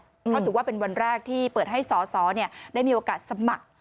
เพราะถือว่าเป็นวันแรกที่เปิดให้สอสอได้มีโอกาสสมัคร